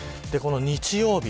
日曜日